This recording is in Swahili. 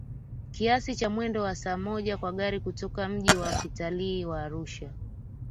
kiasi cha mwendo wa saa moja kwa gari kutoka mji wa kitalii wa Arusha